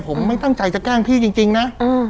ผมไม่ตั้งใจจะแกล้งพี่จริงนะ